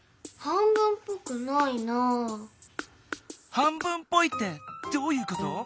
半分っぽいってどういうこと？